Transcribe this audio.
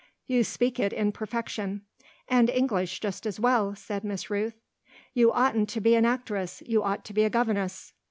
"You speak it in perfection." "And English just as well," said Miss Rooth. "You oughtn't to be an actress you ought to be a governess."